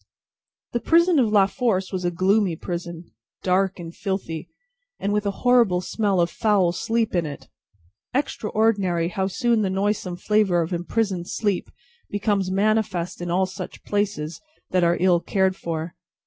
The prison of La Force was a gloomy prison, dark and filthy, and with a horrible smell of foul sleep in it. Extraordinary how soon the noisome flavour of imprisoned sleep, becomes manifest in all such places that are ill cared for!